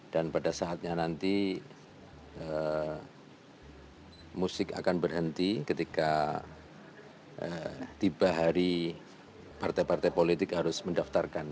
dan pada saatnya nanti musik akan berhenti ketika tiba hari partai partai politik harus mendaftarkan